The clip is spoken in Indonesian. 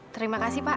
terima kasih pak